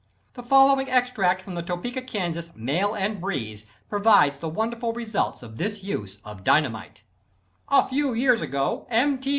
The following extract from the Topeka, Kansas, "Mail and Breeze" proves the wonderful results of this use of dynamite: "A few years ago M. T.